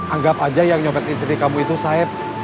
anggap aja yang nyoketin sendiri kamu itu saib